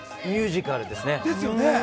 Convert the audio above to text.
ミュージカルですね。